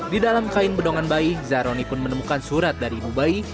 di dalam kain bedongan bayi zahroni pun menemukan surat dari ibu bayi